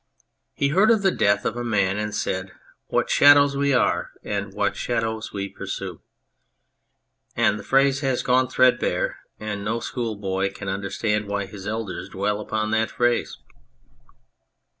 He heard of the death of a man, and said :" What shadows we are, and what shadows we pursue !" and the phrase has gone threadbare, and no school boy can understand why his elders dwell upon that phrase.